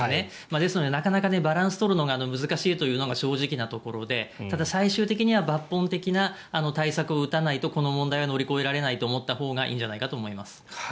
ですので、なかなかバランスを取るのが難しいというのが正直なところでただ、最終的には抜本的な対策を打たないとこの問題は乗り越えられないと思ったほうがいいんじゃないかと思います。